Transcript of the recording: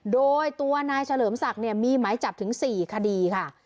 โดยตัวนายเฉลิมศักดิ์มีหมายจับถึง๔คดีค่ะ